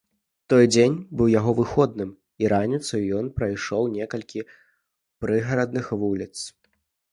Той дзень быў яго выхадным, і раніцаю ён прайшоў некалькі прыгарадных вуліц.